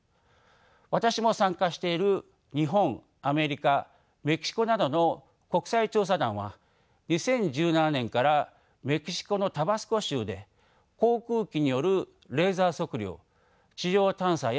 私も参加している日本アメリカメキシコなどの国際調査団は２０１７年からメキシコのタバスコ州で航空機によるレーザー測量地上探査や発掘調査を行いました。